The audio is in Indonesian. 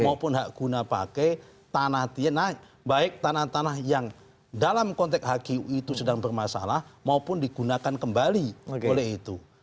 maupun hak guna pakai tanah baik tanah tanah yang dalam konteks hgu itu sedang bermasalah maupun digunakan kembali oleh itu